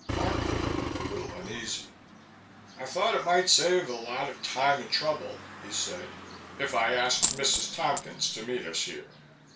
Harcourt looked a little uneasy. "I thought it might save a lot of time and trouble," he said, "if I asked Mrs. Tompkins to meet us here.